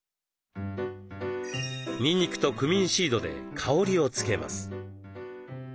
にんにくとクミンシードで香りを付けます。